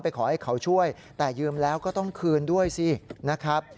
ขอให้เขาช่วยแต่ยืมแล้วก็ต้องคืนด้วยสินะครับ